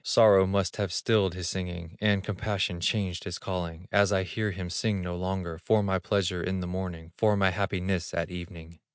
Sorrow must have stilled his singing, And compassion changed his calling, As I hear him sing no longer, For my pleasure in the morning, For my happiness at evening.